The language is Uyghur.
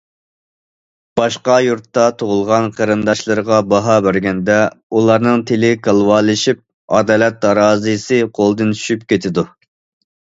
باشقا يۇرتتا تۇغۇلغان قېرىنداشلىرىغا باھا بەرگەندە، ئۇلارنىڭ تىلى كالۋالىشىپ، ئادالەت تارازىسى قولىدىن چۈشۈپ كېتىدۇ.